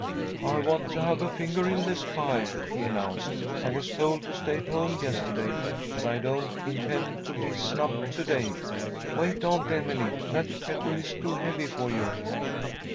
"I want to have a finger in this pie," he announced. "I was told to stay at home yesterday, but I don't intend to be snubbed to day. "Wait, Aunt Emily, that kettle is too heavy for you!"